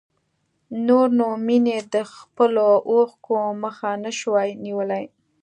نور نو مينې د خپلو اوښکو مخه نه شوای نيولی.